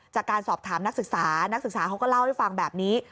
จากการสอบถามนักศึกษานักศึกษาเขาก็เล่าให้ฟังแบบนี้